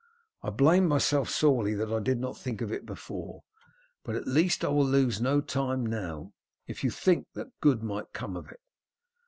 I blame myself sorely that I did not think of it before, but at least I will lose no time now if you think that good might come of it."